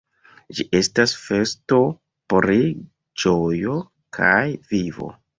Ĝi estas festo pri ĝojo kaj vivo.